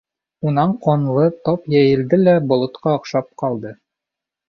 Унан ҡанлы тап йәйелде лә болотҡа оҡшап ҡалды.